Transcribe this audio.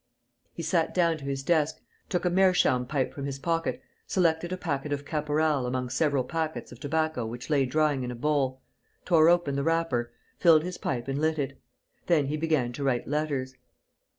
He sat down to his desk, took a meerschaum pipe from his pocket, selected a packet of caporal among several packets of tobacco which lay drying in a bowl, tore open the wrapper, filled his pipe and lit it. Then he began to write letters.